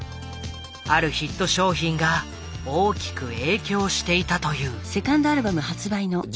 あるヒット商品が大きく影響していたという。